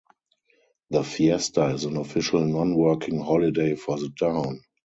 The fiesta is an official non-working holiday for the town.